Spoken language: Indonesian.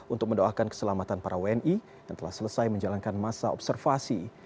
untuk mendoakan keselamatan para wni yang telah selesai menjalankan masa observasi